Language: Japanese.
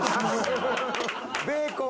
ベーコン！